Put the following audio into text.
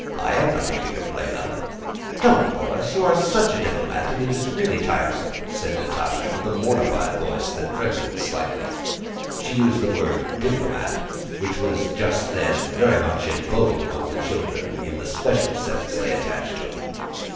"I have nothing to complain of." "Don't, Borís! You are such a diplomat that it is really tiresome," said Natásha in a mortified voice that trembled slightly. (She used the word "diplomat," which was just then much in vogue among the children, in the special sense they attached to it.)